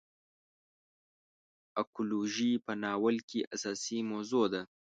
اکولوژي په ناول کې اساسي موضوع ده.